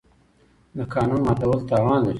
د قانون ماتول تاوان لري.